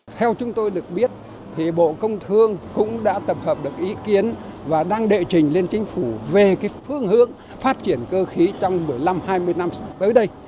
theo chúng tôi được biết thì bộ công thương cũng đã tập hợp được ý kiến và đang đệ trình lên chính phủ về phương hướng phát triển cơ khí trong một mươi năm hai mươi năm tới đây